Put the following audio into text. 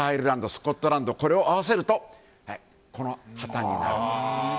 スコットランドを合わせるとこの旗になる。